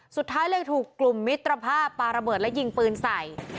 สุดท้ายเลยถูกกลุ่มมิตรภาพปาระเบิดและยิงปืนใส่